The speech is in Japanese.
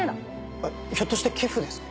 えっひょっとして寄付ですか？